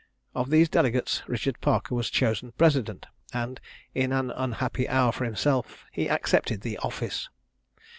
Of these delegates Richard Parker was chosen president, and, in an unhappy hour for himself, he accepted the office.